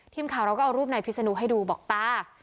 ทีมข่าวเราก็เอารูปนายพิษนุให้ดูบอกตา